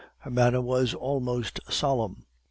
Her manner was almost solemn.